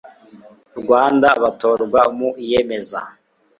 Baha is of Rwanda batorwa mu Iyemeza